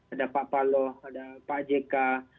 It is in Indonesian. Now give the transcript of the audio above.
ada pak paloh ada pak j k